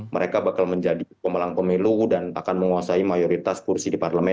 mereka bakal menjadi pemenang pemilu dan akan menguasai mayoritas kursi di parlemen